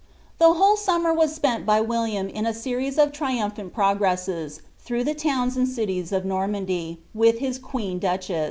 Ttw whole summer was spent by William iu a series of triumphant ITiieTewes, through the towns and cities of Normandr, with his queei> ilucbem.